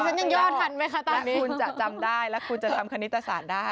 ฉันยังย่อทันไหมคะตอนนี้คุณจะจำได้แล้วคุณจะทำคณิตศาสตร์ได้